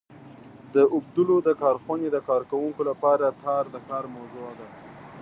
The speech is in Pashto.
د اوبدلو د کارخونې د کارکوونکو لپاره تار د کار موضوع ده.